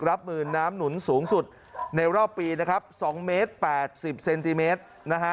รับมือน้ำหนุนสูงสุดในรอบปีนะครับ๒เมตร๘๐เซนติเมตรนะฮะ